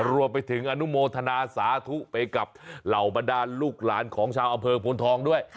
รวมไปถึงอนุโมทนาสาธุไปกับเหล่าบรรดาลูกหลานของชาวอำเภอพลทองด้วย